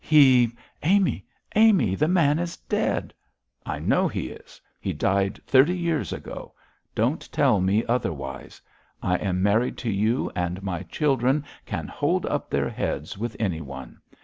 He ' 'Amy! Amy! the man is dead!' 'I know he is; he died thirty years ago. Don't tell me otherwise. I am married to you, and my children can hold up their heads with anyone.